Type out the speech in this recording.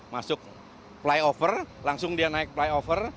masuk flyover langsung dia naik flyover